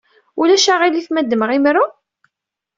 Ulac aɣilif ma ddmeɣ imru?